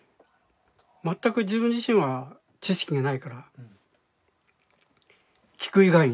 全く自分自身は知識がないから聞く以外にない。